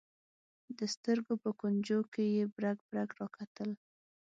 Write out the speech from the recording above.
د سترګو په کونجونو کې یې برګ برګ راکتل.